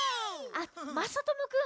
あっまさともくん。